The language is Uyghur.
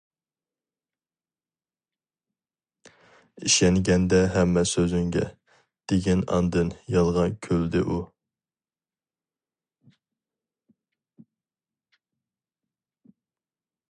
ئىشەنگەندە ھەممە سۆزۈڭگە، دېگىن ئاندىن، يالغان كۈلدى ئۇ.